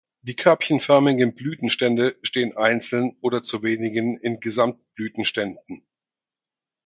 Die körbchenförmigen Blütenstände stehen einzeln oder zu wenigen in Gesamtblütenständen.